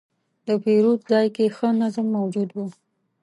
د پیرود ځای کې ښه نظم موجود و.